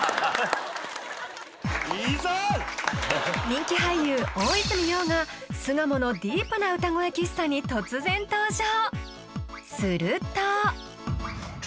人気俳優・大泉洋が巣鴨のディープな歌声喫茶に突然登場！